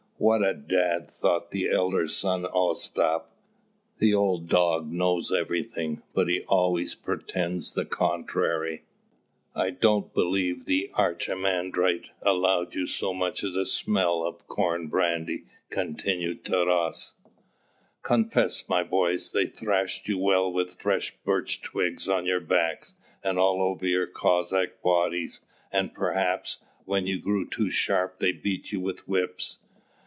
"What a dad!" thought the elder son Ostap. "The old dog knows everything, but he always pretends the contrary." "I don't believe the archimandrite allowed you so much as a smell of corn brandy," continued Taras. "Confess, my boys, they thrashed you well with fresh birch twigs on your backs and all over your Cossack bodies; and perhaps, when you grew too sharp, they beat you with whips.